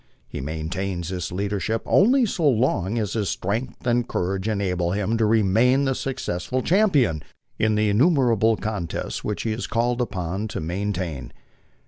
He maintains this leadership only so long as his strength and courage enable him to remain the successful champion in the innumerable contests which he is called upon to maintain.